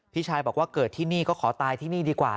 พี่ชายบอกว่าเกิดที่นี่ก็ขอตายที่นี่ดีกว่า